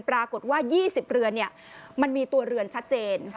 ปรากฏว่า๒๐เรือนมันมีตัวเรือนชัดเจน